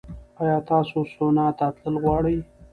ایا تاسو سونا ته تلل غواړئ؟